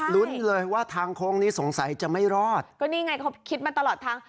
ลุ้นเลยว่าทางโค้งนี้สงสัยจะไม่รอดก็นี่ไงเขาคิดมาตลอดทาง